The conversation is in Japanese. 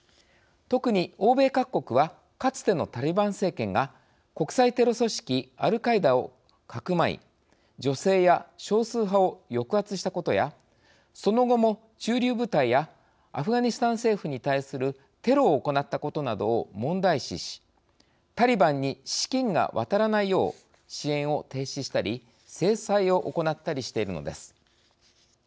とくに欧米各国はかつてのタリバン政権が国際テロ組織アルカイダをかくまい女性や少数派を抑圧したことやその後も駐留部隊やアフガニスタン政府に対するテロを行ったことなどを問題視しタリバンに資金が渡らないよう支援を停止したり制裁を行ったりしているのです。